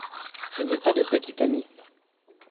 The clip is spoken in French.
Je n'ai pas de petit ami.